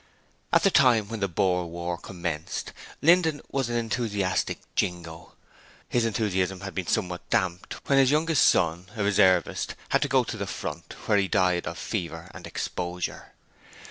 At the time when the Boer War commenced, Linden was an enthusiastic jingo: his enthusiasm had been somewhat damped when his youngest son, a reservist, had to go to the front, where he died of fever and exposure.